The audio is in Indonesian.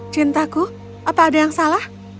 cintaku apa ada yang salah